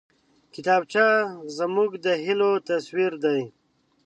کتابچه زموږ د هيلو تصویر دی